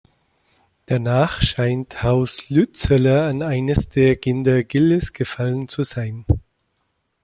Danach scheint Haus Lützeler an eines der Kinder Gilles gefallen zu sein.